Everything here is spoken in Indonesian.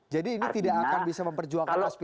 jadi ini tidak akan bisa memperjuangkan aspirasi umat